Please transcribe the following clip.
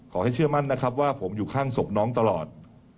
เชื่อมั่นนะครับว่าผมอยู่ข้างศพน้องตลอด